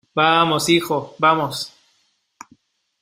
vamos, hijo. vamos .